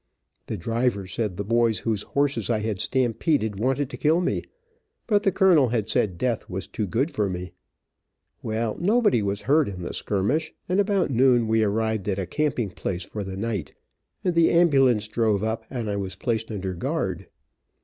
The driver said the boys whose horses I had stampeded, wanted to kill me, but the colonel had said death was too good for me. Well, nobody was hurt in the skirmish, and about noon we arrived at a camping place for the night, and the ambulance drove up, and I was placed under guard.